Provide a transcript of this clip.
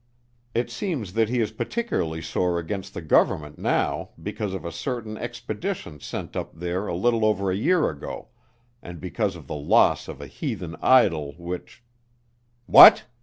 It seems that he is particularly sore against the government now because of a certain expedition sent up there a little over a year ago, and because of the loss of a heathen idol which " "What?"